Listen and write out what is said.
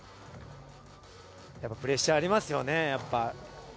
やっぱプレッシャーありますよね。